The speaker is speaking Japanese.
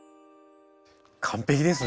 完璧ですね。